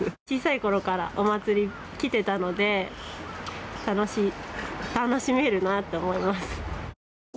小さい頃からおまつりに来ていたので、楽しめるなと思います。